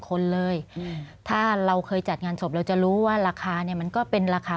คนเลยถ้าเราเคยจัดงานศพเราจะรู้ว่าราคาเนี่ยมันก็เป็นราคา